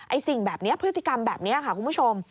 สิ่งแบบนี้พฤติกรรมแบบนี้ค่ะคุณผู้ชม